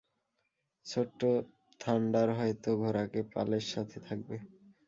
ছোট্ট থান্ডার হয়তো ঘোড়ার পালের সাথে থাকবে।